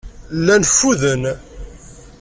Llan ffuden.